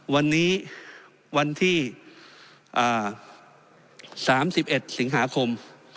วันนี้วันที่๓๑สิงหาคม